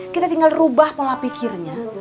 kita tinggal rubah pola pikirnya